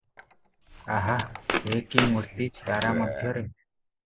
ଆହା! ଏ କି ମୂର୍ତ୍ତି ତାରା ମଧ୍ୟରେ?